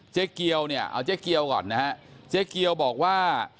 เจ๊เกียวเนี่ยเอาเจ๊เกียวก่อนนะฮะเจ๊เกียวบอกว่า